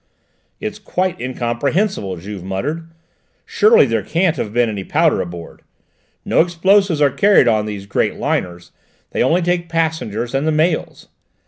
"It's quite incomprehensible," Juve muttered; "surely there can't have been any powder aboard? No explosives are carried on these great liners; they only take passengers and the mails."